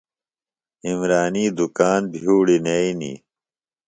عمرانی دُکان بھیوڑیۡ نئینیۡ۔